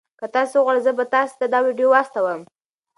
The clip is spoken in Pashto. که تاسي وغواړئ زه به تاسي ته دا ویډیو واستوم.